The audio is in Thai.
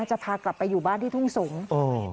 จะพากลับไปอยู่บ้านที่ทุ่งสงศ์